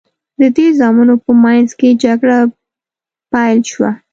د دې زامنو په منځ کې جګړه پیل شوه.